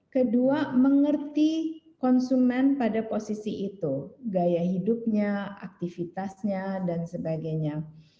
kedua mengerti konsumen pada posisi itu gaya hidupnya aktivitasnya dan sebagainya